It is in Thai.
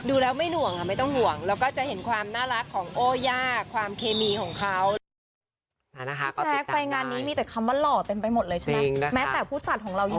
ดูแล้วไม่ห่วงไม่ต้องห่วงแล้วก็จะเห็นความน่ารักของโอ้ย่าความเคมีของเขา